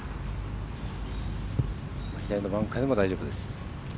左のバンカーでも大丈夫です。